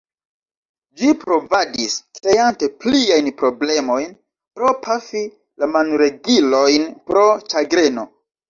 Ĝi provadis, kreante pliajn problemojn pro pafi la manregilojn pro ĉagreno.